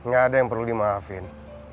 gak ada yang perlu dimaafin